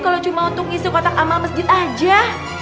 kalau cuma untuk isu kotak amal masjid aja